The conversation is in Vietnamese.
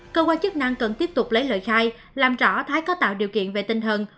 cơ quan chức năng cần tiếp tục lấy lời khai làm rõ thái có tạo điều kiện về tinh thần